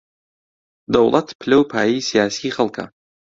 دەوڵەت پلە و پایەی سیاسیی خەڵکە